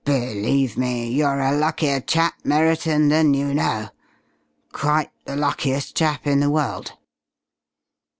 "Believe me, you're a luckier chap, Merriton, than you know. Quite the luckiest chap in the world."